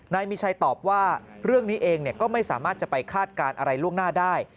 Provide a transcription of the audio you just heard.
นายมีชัยตอบว่าเรื่องนี้เองก็ไม่สามารถจะไปคาดการณ์อะไรล่วงหน้าได้